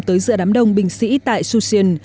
tới giữa đám đông binh sĩ tại soussien